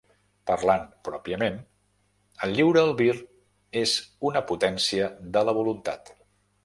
Parlant pròpiament, el lliure albir és una potència de la voluntat.